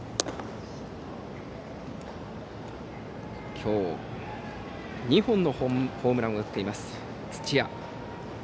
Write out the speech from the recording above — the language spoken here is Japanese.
今日、２本のホームランを打っています、土屋。